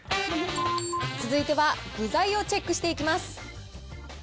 続いては具材をチェックしていきます。